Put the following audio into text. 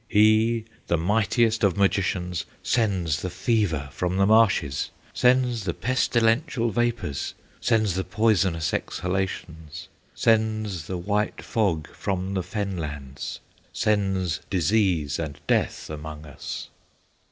He, the mightiest of Magicians, Sends the fever from the marshes, Sends the pestilential vapors, Sends the poisonous exhalations, Sends the white fog from the fen lands, Sends disease and death among us!